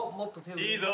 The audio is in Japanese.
いいぞ。